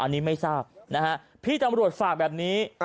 อันนี้ไม่ทราบนะฮะพี่ตำรวจฝากแบบนี้